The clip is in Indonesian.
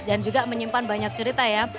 dan juga menyimpan banyak cerita ya